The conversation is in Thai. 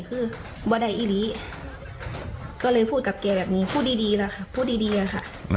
ก็เลยพูดแบบนี้พูดดีแล้วค่ะ